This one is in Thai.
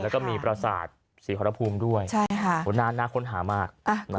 แล้วก็มีประสาทศรีขอรภูมิด้วยน่าค้นหามาก